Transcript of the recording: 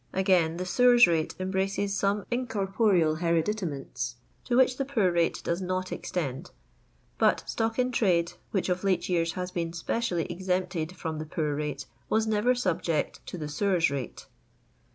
Again, the sewers rate em braces some incorporeal hereditaments to which the poor rate does not extend ; but stock in trade, which of late years has been specially exempted from the poor rate, was never subject to the sewers rate.